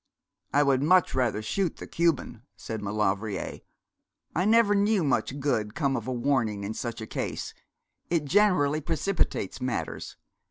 'I would much rather shoot the Cuban,' said Maulevrier. 'I never knew much good come of a warning in such a case: it generally precipitates matters.